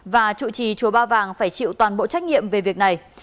và chủ trì chùa ba vàng phải chịu toàn bộ trách nhiệm về việc này